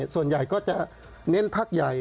ส่วนใหญ่ก็จะเน้นพักใหญ่